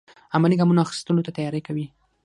عملي ګامونو اخیستلو ته تیاری کوي.